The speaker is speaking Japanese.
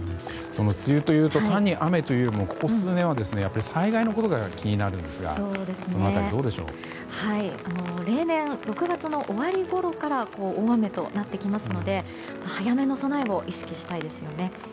梅雨というと単に雨というよりもここ数年は災害のことが気になるんですが例年６月の終わりごろから大雨となってきますので早めの備えを意識したいですよね。